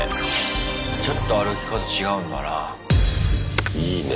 ちょっと歩き方違うんだな。いいね。